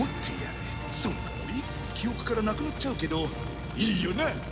その代わり記憶からなくなっちゃうけどいいよな？